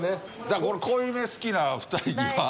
だからこれ濃いめ好きな２人には。